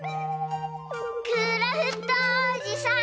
クラフトおじさん！